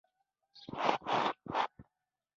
کورنۍ يې اغېزمنې کړې